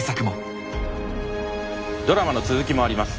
ドラマの続きもあります。